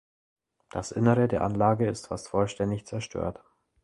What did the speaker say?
Das Innere der Anlage ist fast vollständig zerstört.